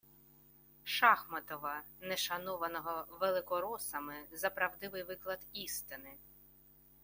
Шахматова, не шанованого великоросами за правдивий виклад істини